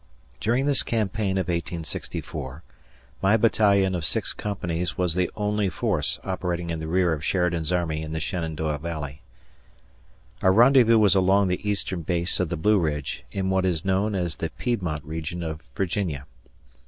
During this campaign of 1864, my battalion of six companies was the only force operating in the rear of Sheridan's army in the Shenandoah Valley. Our rendezvous was along the eastern base of the Blue Ridge, in what is known as the Piedmont region of Virginia.